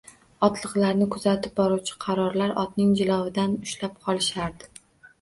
Otliqlarni kuzatib boruvchi qarollar otning jilovidan ushlab olishardi